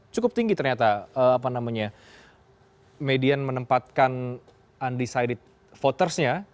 cukup tinggi ternyata apa namanya median menempatkan undecided votersnya